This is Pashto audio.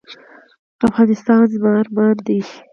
افغانستان زما ارمان دی؟